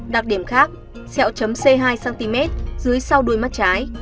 đặc điểm khác xẹo chấm c hai cm dưới sau đuôi mắt trái